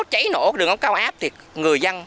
cháy nổ đường ống cao áp thì người dân